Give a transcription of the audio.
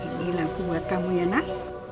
ini lagu buat kamu ya nak